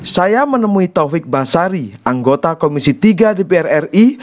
saya menemui taufik basari anggota komisi tiga dpr ri